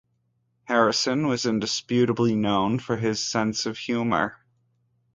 Harrison was indisputably known for his sense of humor.